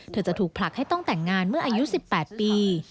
จะถูกผลักให้ต้องแต่งงานเมื่ออายุ๑๘ปี